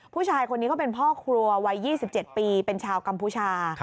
ผู้ชายคนนี้เขาเป็นพ่อครัววัย๒๗ปีเป็นชาวกัมพูชา